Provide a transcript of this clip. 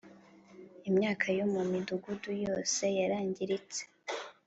imyaka yo mu midugudu yose yarangiritse